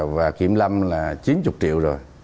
và kiểm lâm là chín mươi triệu rồi